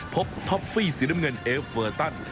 ท็อฟฟี่สีน้ำเงินเอฟเวอร์ตัน